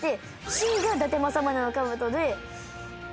Ｃが伊達政宗の兜で。